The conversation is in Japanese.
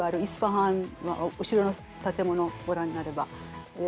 後ろの建物をご覧になれば。